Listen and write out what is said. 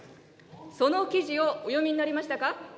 その記事をお読みになりましたか。